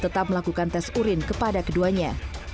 tetap melakukan tes urin kepada keduanya